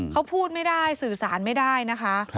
เขาพูดไม่ได้สื่อสารไม่ได้นะคะ